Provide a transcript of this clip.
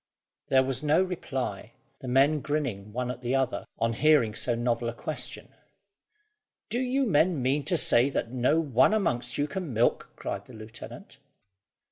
There was no reply, the men grinning one at the other, on hearing so novel a question. "Do you men mean to say that not one amongst you can milk?" cried the lieutenant.